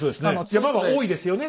山が多いですよね